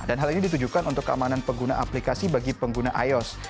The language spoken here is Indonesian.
dan hal ini ditujukan untuk keamanan pengguna aplikasi bagi pengguna ios